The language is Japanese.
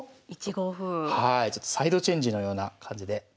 ちょっとサイドチェンジのような感じで。